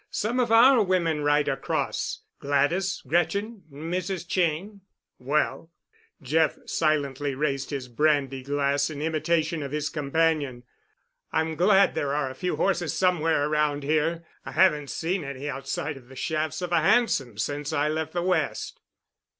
Some of our women ride across. Gladys, Gretchen, Mrs. Cheyne——" "Well," Jeff silently raised his brandy glass in imitation of his companion, "I'm glad there are a few horses somewhere around here—I haven't seen any outside of the shafts of a hansom since I left the West."